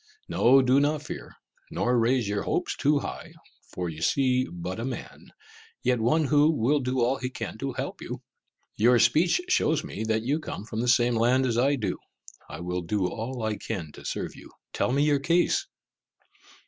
No, do not fear nor raise your hopes too high; for you see but a man, yet one who will do all he can to help you. Your speech shows me that you come from the same land as I do. I will do all I can to serve you. Tell me your case."